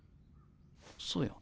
そうや。